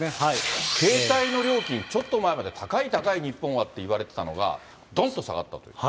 携帯の料金、ちょっと前まで、高い、高い、日本はっていわれてたのが、どんと下がったということで。